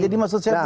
jadi maksud saya